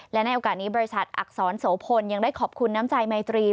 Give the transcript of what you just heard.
และในโอกาสนี้บริษัทอักษรโสพลยังได้ขอบคุณน้ำใจไมตรี